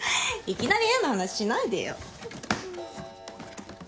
いきなり変な話しないでよ。